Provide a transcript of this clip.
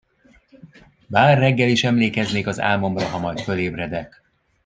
Bár reggel is emlékeznék az álmomra, ha majd fölébredek!